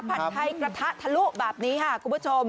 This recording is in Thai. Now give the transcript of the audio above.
ผัดไทยกระทะทะลุแบบนี้ค่ะคุณผู้ชม